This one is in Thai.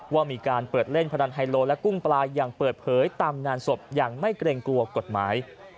ว่ามีการเปิดเล่นพนันไฮโลและกุ้งปลาอย่างเปิดเผยตามงานศพอย่างไม่เกรงกลัวกฎหมาย